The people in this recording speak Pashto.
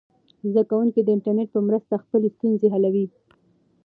زده کوونکي د انټرنیټ په مرسته خپلې ستونزې حلوي.